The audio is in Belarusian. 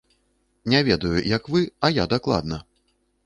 Не ведаю, як вы, а я дакладна.